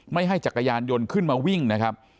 ไม่ให้จักรยานยนต์ขึ้นมาวิ่งนะครับ